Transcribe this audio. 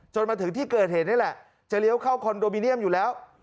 มาถึงที่เกิดเหตุนี่แหละจะเลี้ยวเข้าคอนโดมิเนียมอยู่แล้ว